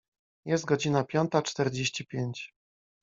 Jest godzina piąta czterdzieści pięć.